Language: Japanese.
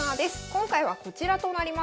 今回はこちらとなります。